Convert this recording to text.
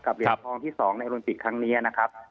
เหรียญทองที่๒ในโอลิมปิกครั้งนี้นะครับ